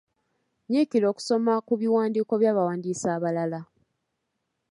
Nyiikira okusoma ku biwandiiko by'abawandiisi abalala.